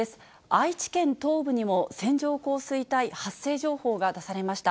愛知県東部にも線状降水帯発生情報が出されました。